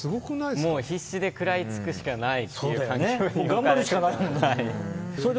必死で食らいつくしかないという環境で。